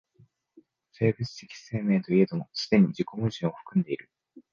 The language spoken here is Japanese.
生物的生命といえども既に自己矛盾を含んでいる。